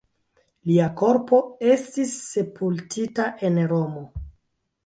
Lia korpo estis sepultita en Romo.